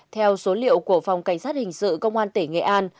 theo số liệu của phòng cảnh sát hình sự công an tỉnh nghệ an